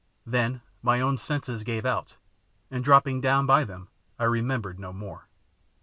Then my own senses gave out, and dropping down by them I remembered no more.